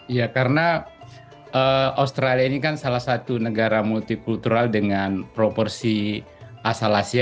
iya karena australia ini kan salah satu negara multikultural dengan proporsi asal asia